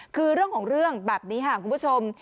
คือเรื่องของเรื่องแบบนี้ค่ะคุณผู้ชม